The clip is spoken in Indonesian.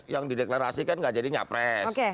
yang dideklarasikan gak jadi nyapres